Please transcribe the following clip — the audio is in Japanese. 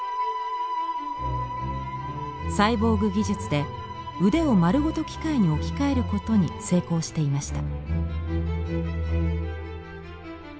サイボーグ技術で腕を丸ごと機械に置き換えることに成功していました。